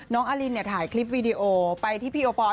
อารินเนี่ยถ่ายคลิปวีดีโอไปที่พี่โอปอล